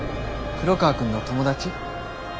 黒川くんの友達？